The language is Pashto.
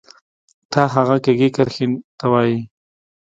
تا هغه کږې کرښې ته وایې